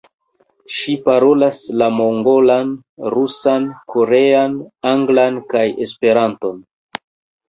Ŝi parolas la mongolan, rusan, korean, anglan kaj Esperanton.